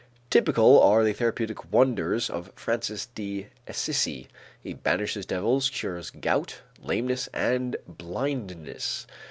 Typical are the therapeutic wonders of Francis de Assisi. He banishes devils, cures gout, lameness, and blindness.